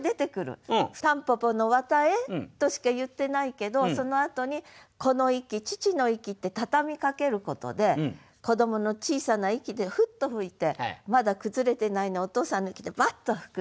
「たんぽぽの絮へ」としか言ってないけどそのあとに「子の息父の息」って畳みかけることで子どもの小さな息でフッと吹いてまだ崩れてないのをお父さんの息でバッと吹くと。